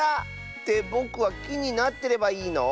ってぼくはきになってればいいの？